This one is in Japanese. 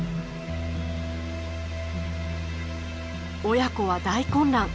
親子は大混乱。